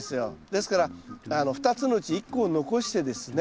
ですから２つのうち１個を残してですね